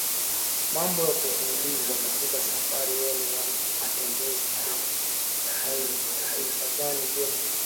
Mambo ya kujiuliza katika safari yenu ya matembezi hifadhini Je mtabeba vyakula vyenu wenyewe